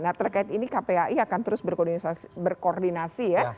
nah terkait ini kpai akan terus berkoordinasi ya